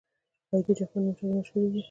آیا د جاپان موټرې مشهورې دي؟